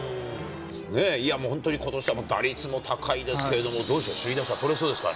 いやもう、本当にことしは打率も高いですけれども、どうですか、首位打者、とれそうですか。